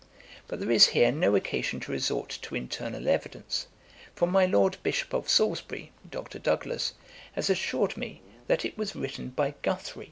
But there is here no occasion to resort to internal evidence; for my Lord Bishop of Salisbury (Dr. Douglas) has assured me, that it was written by Guthrie.